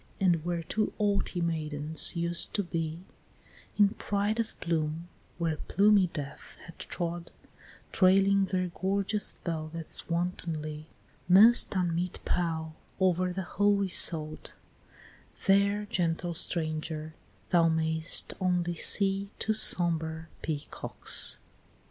And where two haughty maidens used to be, In pride of plume, where plumy Death had trod, Trailing their gorgeous velvets wantonly, Most unmeet pall, over the holy sod; There, gentle stranger, thou may'st only see Two sombre Peacocks.